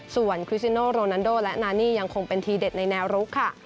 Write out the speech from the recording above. ส่วนคริสซิโนโรนันโดและนานี่ยังคงเป็นทีเด็ดในแนวรุกค่ะ